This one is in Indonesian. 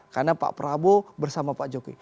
karena pak prabowo bersama pak jokowi